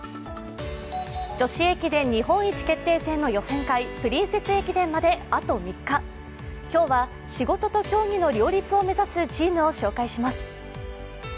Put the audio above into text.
女子駅伝日本一決定戦の予選会、プリンセス駅伝まであと３日今日は仕事と競技の両立を目指すチームを紹介します。